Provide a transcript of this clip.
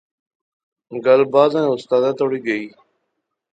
گل بعضے استادیں توڑی گئی